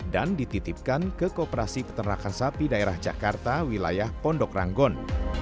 dan dititipkan ke koperasi peternakan sapi daerah jakarta wilayah pondok ranggon